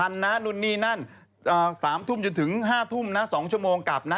นะนู่นนี่นั่น๓ทุ่มจนถึง๕ทุ่มนะ๒ชั่วโมงกลับนะ